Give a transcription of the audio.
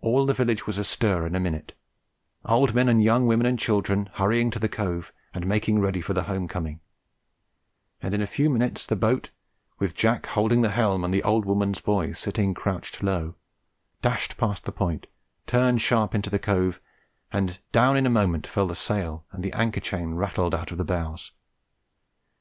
All the village was astir in a minute, old men and young women and children hurrying to the cove and making ready for the home coming; and in a few minutes the boat, with Jack holding the helm and the old woman's boys sitting crouched low down, dashed past the Point, turned sharp into the cove, and down in a moment fell the sail and the anchor chain rattled out of the bows.